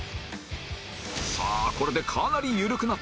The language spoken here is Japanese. さあこれでかなり緩くなった